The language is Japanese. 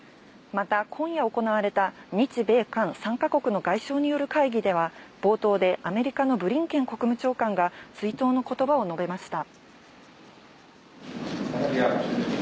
また今夜行われた日米韓３か国の外相による会議では、冒頭でアメリカのブリンケン国務長官が、追悼のことばを述べました。